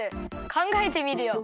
かんがえてみるよ。